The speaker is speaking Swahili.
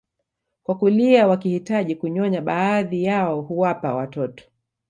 kwa kulia wakihitaji kunyonya baadhi yao huwapa watoto